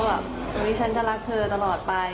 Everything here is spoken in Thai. ว่าแบบโอ้ยฉันจะรักเธอตลอดไป